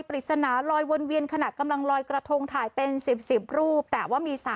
ปริศนาลอยวนเวียนขณะกำลังลอยกระทงถ่ายเป็น๑๐๑๐รูปแต่ว่ามี